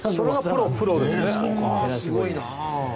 すごいな。